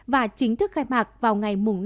và chính thức khai mạc vào ngày năm bốn